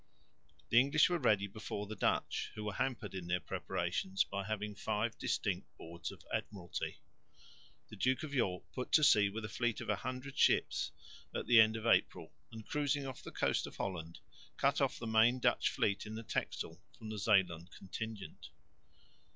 The English were ready before the Dutch, who were hampered in their preparations by having five distinct Boards of Admiralty. The Duke of York put to sea with a fleet of 100 ships at the end of April and, cruising off the coast of Holland, cut off the main Dutch fleet in the Texel from the Zeeland contingent.